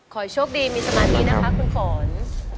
ขอให้โชคดีมีสมาธินะคะคุณฝน